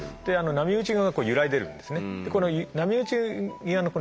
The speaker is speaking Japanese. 波打ち際がゆらいでるんですね。